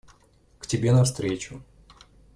К тебе навстречу.